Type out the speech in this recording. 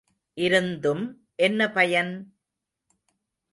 இருந்தும் என்ன பயன்!